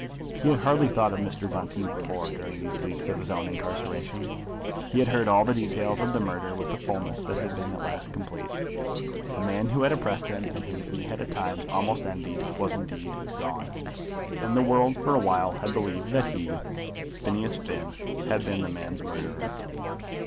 He had hardly thought of Mr. Bonteen before, during these weeks of his own incarceration. He had heard all the details of the murder with a fulness that had been at last complete. The man who had oppressed him, and whom he had at times almost envied, was indeed gone, and the world for awhile had believed that he, Phineas Finn, had been the man's murderer!